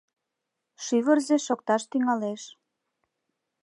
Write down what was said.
Шӱвырзӧ шокташ тӱҥалеш.